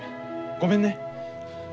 ごめんね。